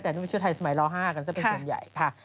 แต่นี่เป็นชุดไทยสมัยล๕กันซะเป็นส่วนใหญ่ค่ะ